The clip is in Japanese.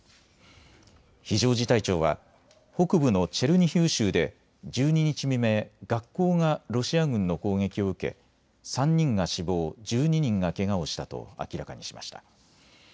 非常事態庁は北部のチェルニヒウ州で１２日未明、学校がロシア軍の攻撃を受け３人が死亡、１２人がけがをしたと明らかにしました。